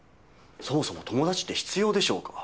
そもそも友達って必要でしょうか？